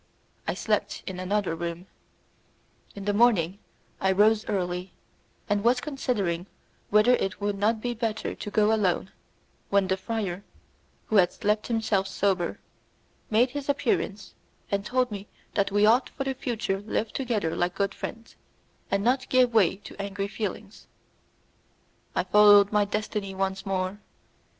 I slept in another room. In the morning I rose early, and was considering whether it would not be better to go alone, when the friar, who had slept himself sober, made his appearance and told me that we ought for the future to live together like good friends, and not give way to angry feelings; I followed my destiny once more.